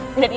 dan ini adi